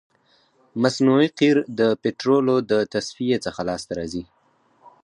مصنوعي قیر د پطرولو د تصفیې څخه لاسته راځي